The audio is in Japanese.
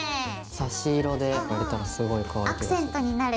差し色でやれたらすごいかわいい気がする。